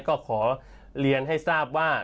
ก็ขอเรียนให้ทราบว่า